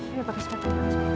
iya pakai sepatu